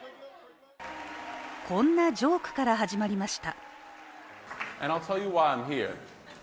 こんなジョークから始まりました。